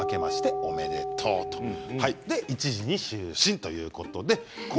おめでとうございますということです。